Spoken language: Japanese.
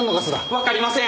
わかりません！